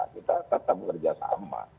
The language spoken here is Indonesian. kita tetap bekerja sama